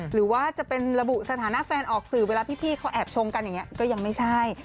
หรือว่าจะเป็นระบุสถานะแฟนออกสื่อเวลาพี่เขาแอบชงกันอย่างนี้ก็ยังไม่ใช่